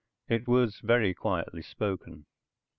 It was very quietly spoken.